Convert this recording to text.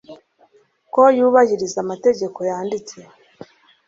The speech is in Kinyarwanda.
Ko yubahiriza amategeko yanditse